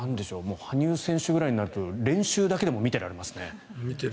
羽生選手ぐらいになると練習だけでも見てられますね。